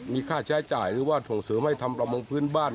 มีค่าใช้จ่ายหรือว่าส่งเสริมให้ทำประมงพื้นบ้าน